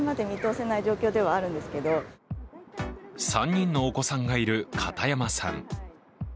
３人のお子さんがいる片山さん。